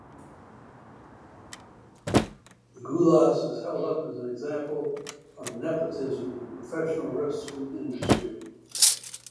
Gulas is held up as an example of nepotism in the professional wrestling industry.